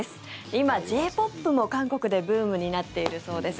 今、Ｊ−ＰＯＰも韓国でブームになっているそうです。